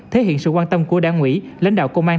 thể hiện sự quan tâm của đảng ủy lãnh đạo công an